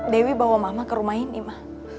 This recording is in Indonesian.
dewi bawa mama ke rumah ini mah